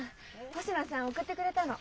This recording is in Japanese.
星野さん送ってくれたの。